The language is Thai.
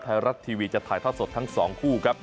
ไทยรัฐทีวีจะถ่ายทอดสดทั้ง๒คู่ครับ